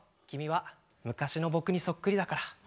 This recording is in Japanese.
君は昔の僕にそっくりだから。